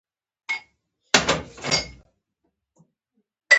د صاحب نظرانو باور شمېر پنځو سوو ته رسېده